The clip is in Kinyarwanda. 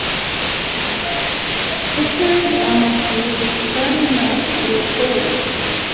chou-fleur, amashu, kale na broccoli